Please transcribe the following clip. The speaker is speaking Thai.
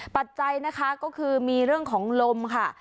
ปัจจัยนะคะก็คือมีเรื่องของลมค่ะ